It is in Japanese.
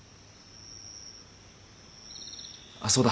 あっそうだ。